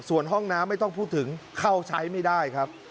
ส่วนห้องน้ำไม่ต้องพูดถึงเข้าใช้ไม่ได้ครับ